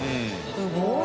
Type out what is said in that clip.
すごい。